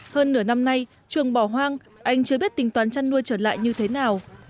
hơn nửa năm nay chuồng bỏ hoang anh chưa biết tình toán chăn nuôi trở lại như thế nào